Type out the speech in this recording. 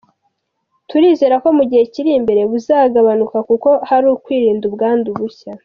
Turizera ko mu gihe kiri imbere buzagabanuka kuko hari ukwirinda ubwandu bushya.